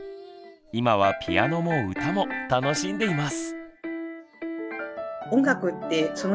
今はピアノも歌も楽しんでいます。